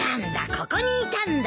ここにいたんだ。